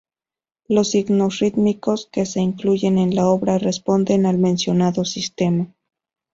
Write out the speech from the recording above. Los "signos rítmicos" que se incluyen en la obra responden al mencionado sistema.